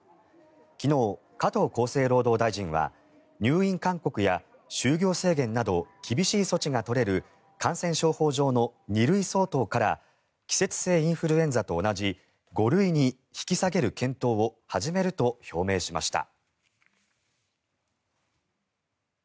昨日、加藤厚生労働大臣は入院勧告や就業制限など厳しい措置が取れる感染症法上の２類相当から季節性インフルエンザと同じ５類に引き下げる検討を始めると表明しました。